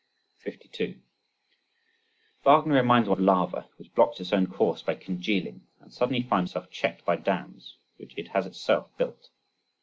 52. Wagner reminds one of lava which blocks its own course by congealing, and suddenly finds itself checked by dams which it has itself built.